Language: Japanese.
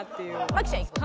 麻貴ちゃんいく？